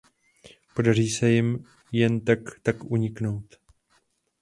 Podaří se jim jen tak tak uniknout.